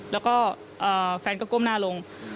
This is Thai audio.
แล้วก็แฟนก็ก้มหน้าลง